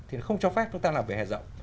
thì không cho phép chúng ta làm vỉa hè rộng